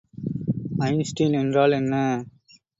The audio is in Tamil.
ஐன்ஸ்டீன் என்றால் என்ன?